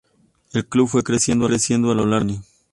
El club fue creciendo a lo largo de los años.